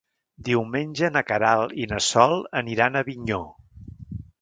Diumenge na Queralt i na Sol aniran a Avinyó.